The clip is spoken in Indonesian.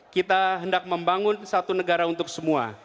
kita hendak membangun satu negara untuk semua